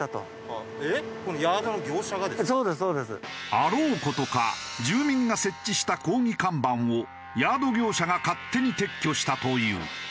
あろう事か住民が設置した抗議看板をヤード業者が勝手に撤去したという。